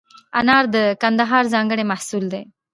انار د کندهار ځانګړی محصول دی.